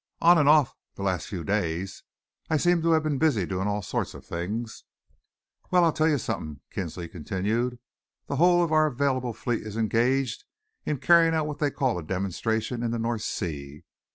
"On and off, the last few days. I seem to have been busy doing all sorts of things." "Well, I'll tell you something," Kinsley continued. "The whole of our available fleet is engaged in carrying out what they call a demonstration in the North Sea.